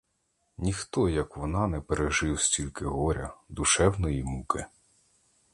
Ніхто, як вона, не пережив стільки горя, душевної муки.